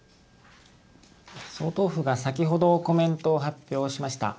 総統府が先ほどコメントを発表しました。